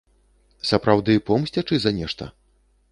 Сапраўды помсцячы за нешта?